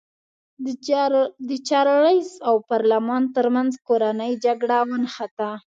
د چارلېز او پارلمان ترمنځ کورنۍ جګړه ونښته.